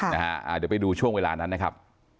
เดี๋ยวไปดูช่วงเวลานั้นนะครับ